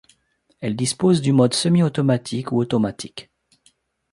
Elle dispose du mode semi-automatique ou automatique.